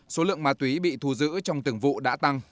số lượng ma túy bị thù giữ trong từng vụ đã tăng